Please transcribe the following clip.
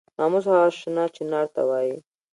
ناموس هغه شنه چنار ته وایي.